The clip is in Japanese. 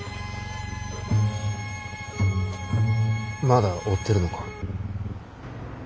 まだ追ってるのか？